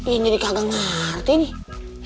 iyan jadi kagak ngerti nih